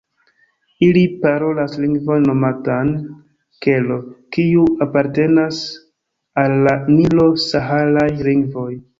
Ili parolas lingvon nomatan "Kelo", kiu apartenas al la nilo-saharaj lingvoj.